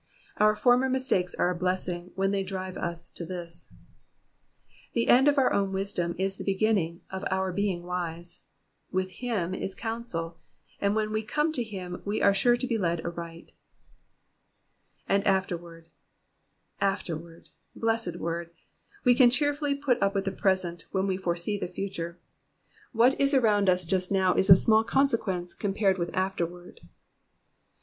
Our former mistakes are a blessing, when they drive us to this. The end of our own wisdom is the beginning of our being wise. With Him is counsel, Digitized by VjOOQIC S4G EXPOSITIONS OF THE PSALMS. and when we come to him, we are sure to be led aright. ^^And qfterward,^^ Afterward !" Blessed word. We can cheerfully put up with the present, when we foresee the future. What is around us just now is of small conse quence, compared with afterward.